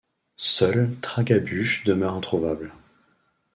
Seul Tragabuches demeure introuvable.